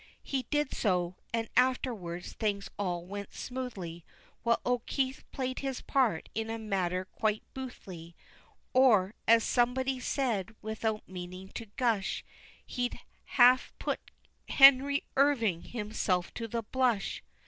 He did so and afterwards things all went smoothly, While O'Keefe played his part in a manner quite Booth ly, Or, as somebody said, without meaning to gush, He'd have put Henry Irving himself to the blush.